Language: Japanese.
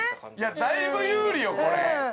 だいぶ有利よこれ。